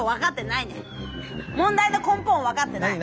問題の根本を分かってない。